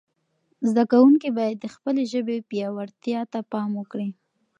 زده کوونکي باید د خپلې ژبې پياوړتیا ته پام وکړي.